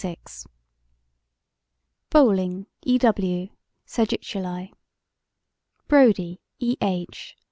BOWLING, E. W.: Sagittulae BRODIE, E. H.